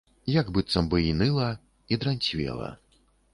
Як быццам бы і ныла, і дранцвела.